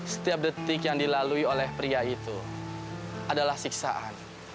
setiap detik yang dilalui oleh pria itu adalah siksaan